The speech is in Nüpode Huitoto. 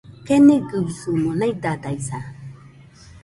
Keniguisɨmo naidaidaisa